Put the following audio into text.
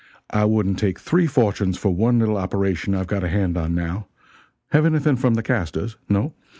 I would'nt take three fortunes for one little operation I've got on hand now have anything from the casters? No?